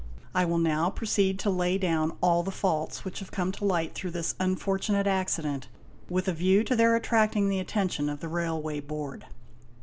I will now proceed to lay down all the faults, which have come to light through this unfortunate accident, with a view to their attracting the attention of the Railway Board.